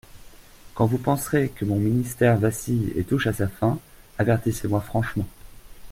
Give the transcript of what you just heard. Quand vous penserez que mon ministère vacille et touche à sa fin, avertissez-moi franchement.